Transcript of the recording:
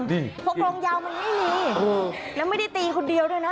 เพราะกลองยาวมันไม่มีแล้วไม่ได้ตีคนเดียวด้วยนะ